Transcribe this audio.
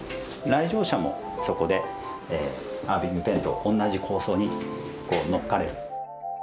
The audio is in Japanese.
来場者もそこでアーヴィング・ペンと同じ構想に乗っかれる。